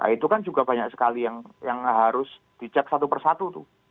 itu kan juga banyak sekali yang harus di cek satu persatu